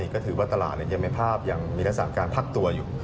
ก็ถือว่าตลาดยังมีภาพยังมีลักษณะการพักตัวอยู่